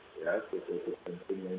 ya ini harus kita lakukan terus menerus